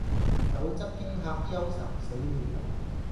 否則驚嚇憂愁死了，